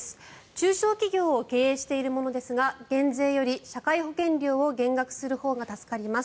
中小企業を経営している者ですが減税より社会保険料を減額するほうが助かります。